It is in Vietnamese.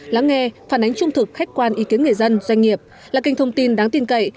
lắng nghe phản ánh trung thực khách quan ý kiến người dân doanh nghiệp là kênh thông tin đáng tin cậy